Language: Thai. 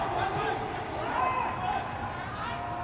สวัสดีครับทุกคน